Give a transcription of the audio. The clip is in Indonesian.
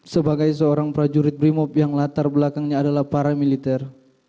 sebagai seorang prajurit brimob yang latar belakangnya adalah para militer